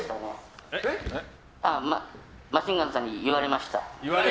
マシンガンズさんに言われました。